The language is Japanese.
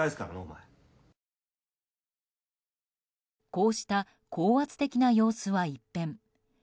こうした高圧的な様子は一変。